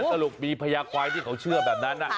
สรุปมีพญาควายที่เขาเชื่อแบบนั้น